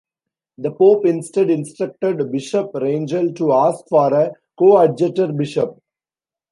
The Pope instead instructed Bishop Rangel to ask for a coadjutor bishop.